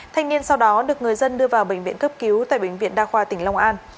thanh niên sau đó được người dân đưa vào bệnh viện cấp cứu tại bệnh viện đa khoa tỉnh long an